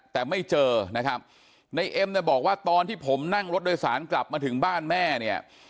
แต่ไม่เจอนะครับในเอ็มเนี่ยบอกว่าตอนที่ผมนั่งรถโดยสารกลับมาถึงบ้านแม่เนี่ย